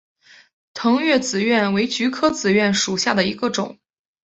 腾越紫菀为菊科紫菀属下的一个种。